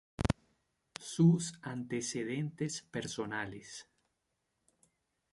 Sus antecedentes personales.